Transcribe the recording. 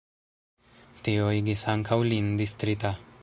Tio igis ankaŭ lin distrita.